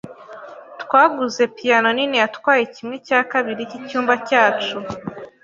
Twaguze piyano nini yatwaye kimwe cya kabiri cyicyumba cyacu.